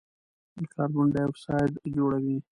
د کاربن ډای اکسایډ جوړوي.